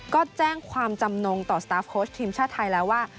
ก็แจ้งความจำนงต่อสตาร์ฟโค้ชทีมชาติไทยแล้วว่า